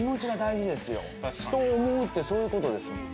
人を思うってそういう事ですもん。